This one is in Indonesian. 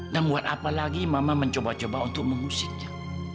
dan buat apa lagi mama mencoba coba untuk mengusiknya